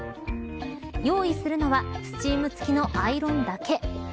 用意するのはスチーム付きのアイロンだけ。